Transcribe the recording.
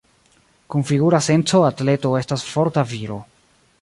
Kun figura senco, atleto estas forta viro.